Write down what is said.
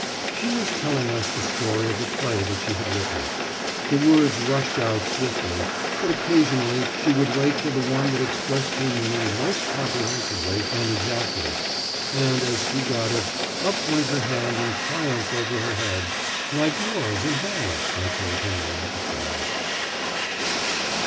She was telling us the story of a play that she had written. The words rushed out swiftly, but occasionally she would wait for the one that expressed her meaning most comprehensively and exactly, and, as she got it, up went her hand in triumph over her head "Like yours in Hamlet," I told Henry at the time.